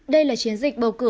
đây là chiến dịch bầu cử